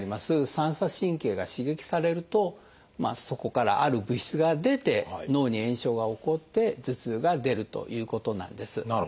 三叉神経が刺激されるとそこからある物質が出て脳に炎症が起こって頭痛が出るということなんです。